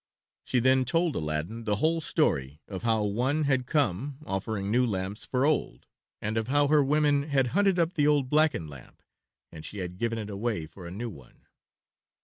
She then told Aladdin the whole story of how one had come offering new lamps for old, and of how her women had hunted up the old blackened lamp, and she had given it away for a new one.